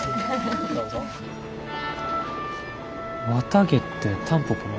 「わたげ」ってタンポポの？